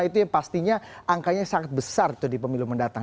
itu yang pastinya angkanya sangat besar di pemilu mendatang